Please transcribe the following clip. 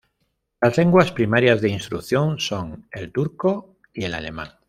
Las lenguas primarias de instrucción son el turco y el alemán.